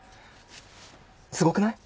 すごくない？